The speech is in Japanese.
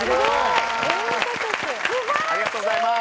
ありがとうございます。